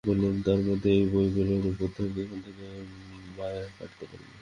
আমি বললুম, তার মানে ঐ বইগুলোর উপর থেকে এখনো মায়া কাটাতে পারি নি।